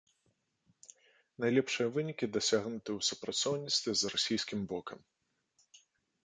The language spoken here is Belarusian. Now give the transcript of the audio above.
Найлепшыя вынікі дасягнуты ў супрацоўніцтве з расійскім бокам.